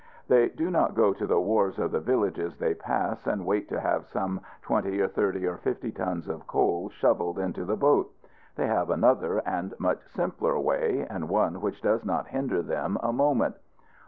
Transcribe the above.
They do not go to the wharves of the villages they pass and wait to have some twenty, or thirty, or fifty tons of coal shoveled into the boat. They have another and much simpler way, and one which does not hinder them a moment.